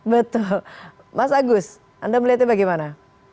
betul mas agus anda melihatnya bagaimana